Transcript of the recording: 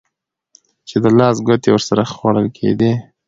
چې د لاس ګوتې ورسره خوړل کېدې.